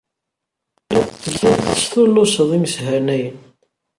Telliḍ testulluseḍ imeshanayen.